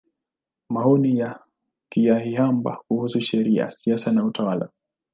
Maoni ya Kanyeihamba kuhusu Sheria, Siasa na Utawala.